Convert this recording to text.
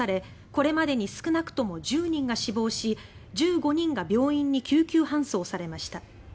これまでに少なくとも１０人が死亡し１５人が病院に救急搬送されました。